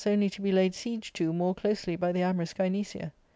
only to be laid siege to more closely by the amorous Gynecia.